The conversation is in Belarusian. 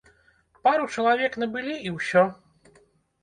Пару чалавек набылі, і ўсё.